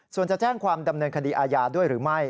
ส่วนจะแจ้งความดำเนินคดีอาญาด้วยหรือไม่